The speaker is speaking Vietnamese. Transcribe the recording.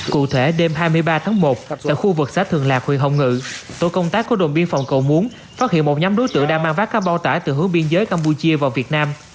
cụ thể đêm hai mươi ba tháng một tại khu vực xã thường lạc huyện hồng ngự tổ công tác của đồn biên phòng cầu muốn phát hiện một nhóm đối tượng đang mang vác các bao tải từ hướng biên giới campuchia vào việt nam